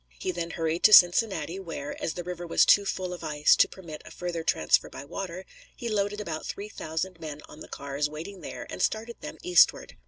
He then hurried to Cincinnati, where, as the river was too full of ice to permit a further transfer by water, he loaded about three thousand men on the cars waiting there and started them eastward.